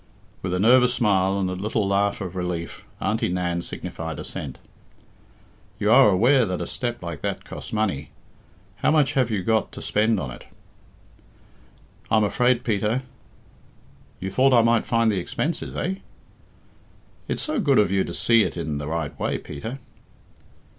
With a nervous smile and a little laugh of relief Auntie Nan signified assent. "You are aware that a step like that costs money. How much have you got to spend on it?" "I'm afraid, Peter " "You thought I might find the expenses, eh?" "It's so good of you to see it in the right way, Peter."